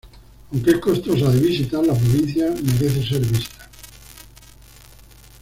Aunque es costosa de visitar, la provincia merece ser vista.